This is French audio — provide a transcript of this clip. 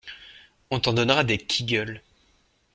On t'en donnera des "Qui gueule"!